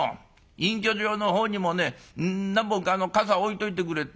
隠居所のほうにもね何本か傘置いといてくれって。